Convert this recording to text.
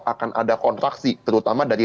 akan ada kontraksi terutama dari